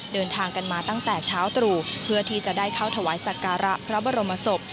เดินทางกันมาตั้งแต่เช้าตรู่เพื่อที่จะได้เข้าถวายสักการะพระบรมศพ